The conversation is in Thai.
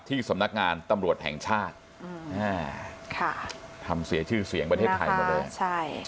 สำนักงานตำรวจแห่งชาติค่ะทำเสียชื่อเสียงประเทศไทยหมดเลยใช่